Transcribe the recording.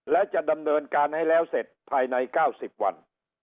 และจะดำเนินการให้แล้วเสร็จภายใน๙๐วัน